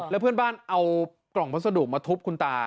แล้วเพื่อนบ้านเอากล่องพัสดุมาทุบคุณตา